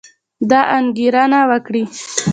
دا انګېرنه وکړئ